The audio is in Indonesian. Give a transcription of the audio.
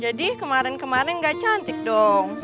jadi kemarin kemarin gak cantik dong